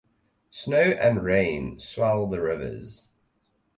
Snow and rain swell the rivers.